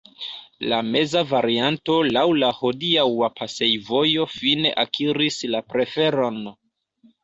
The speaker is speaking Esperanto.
La meza varianto laŭ la hodiaŭa pasejvojo fine akiris la preferon.